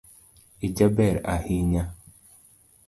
Ijaber ahinya